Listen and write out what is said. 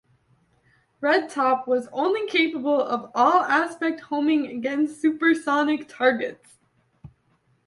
Red Top was only capable of all aspect homing against super-sonic targets.